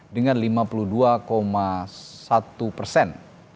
dengan lima puluh dua satu persen